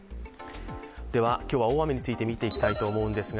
では今日は大雨について見ていきたいと思います。